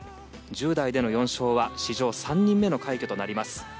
１０代の４勝は史上３人目の快挙となります。